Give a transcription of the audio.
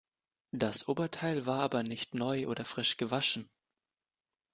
Das Oberteil war aber nicht neu oder frisch gewaschen.